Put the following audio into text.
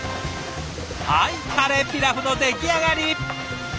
はいカレーピラフの出来上がり！